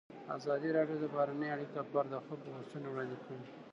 ازادي راډیو د بهرنۍ اړیکې لپاره د خلکو غوښتنې وړاندې کړي.